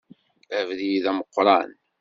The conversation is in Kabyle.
Abrid ameqqran.